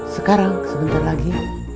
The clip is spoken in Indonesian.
sekarang sebentar lagi